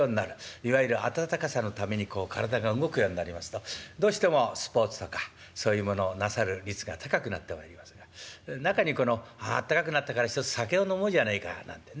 いわゆる暖かさのためにこう体が動くようになりますとどうしてもスポーツとかそういうものをなさる率が高くなってまいりますが中にこのあったかくなったからひとつ酒を飲もうじゃないかなんてね